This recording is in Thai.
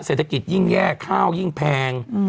เศรษฐกิจยิ่งแย่ข้าวยิ่งแพง